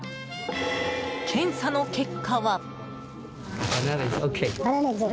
検査の結果は。